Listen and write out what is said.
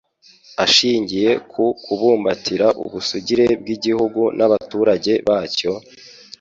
ashingiye ku kubumbatira ubusugire bw'igihugu n'abaturage bacyo,